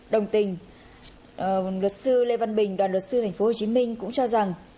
đồng tình luật sư lê văn bình đoàn luật sư tp hcm cũng cho rằng